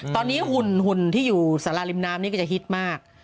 ตอนนี้หุ่นที่อยู่สาราริมน้ำนี่ก็จะฮิตมาก